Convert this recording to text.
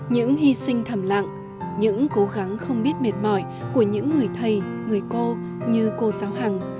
những hy sinh thầm lặng những cố gắng không biết mệt mỏi của những người thầy người cô như cô giáo hằng